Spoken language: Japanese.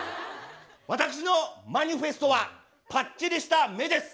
私のマニフェストは「ぱっちりした目」です。